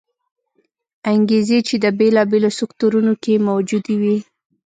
انګېزې چې د بېلابېلو سکتورونو کې موجودې وې